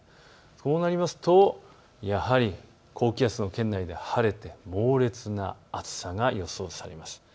こうなるとやはり高気圧の圏内で晴れて猛烈な暑さが予想されます。